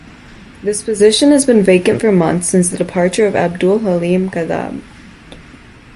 This position had been vacant for months, since the departure of Abdul Halim Khaddam.